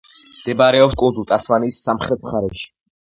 მდებარეობს კუნძულ ტასმანიის სამხრეთ მხარეში.